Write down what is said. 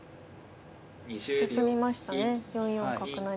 進みましたね４四角成。